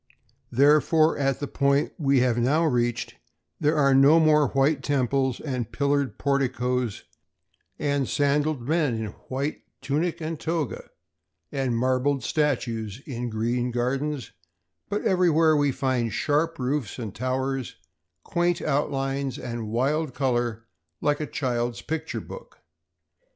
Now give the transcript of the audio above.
Therefore, at the point we have now reached, there are no more white temples and pillared porticos and sandaled men in white tunic and toga, and marble statues in green gardens; but everywhere we find sharp roofs and towers, quaint outlines, and wild color like a child's picture book.